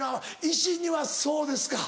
石にはそうですか？